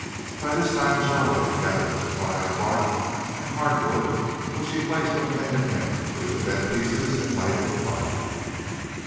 By this time Charlie had gathered a supply of bark and hard wood which he placed from end to end between the bed pieces and lighted the fire.